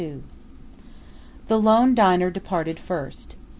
The lone diner departed first.